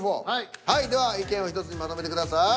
はいでは意見を１つにまとめてください。